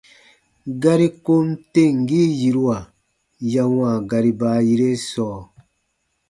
Gari kom temgii yiruwa ya wãa gari baayire sɔɔ.